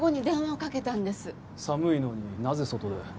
寒いのになぜ外で？